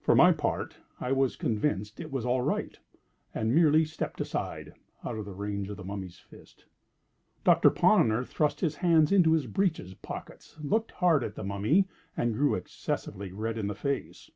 For my part I was convinced it was all right, and merely stepped aside, out of the range of the Egyptian's fist. Doctor Ponnonner thrust his hands into his breeches' pockets, looked hard at the Mummy, and grew excessively red in the face.